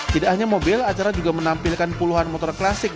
tidak hanya mobil acara juga menampilkan puluhan motor klasik